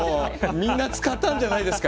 みんな使ったんじゃないですか？